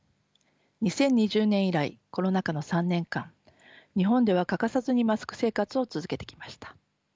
２０２０年以来コロナ下の３年間日本では欠かさずにマスク生活を続けてきました。